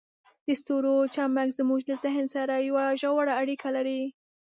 د ستورو چمک زموږ له ذهن سره یوه ژوره اړیکه لري.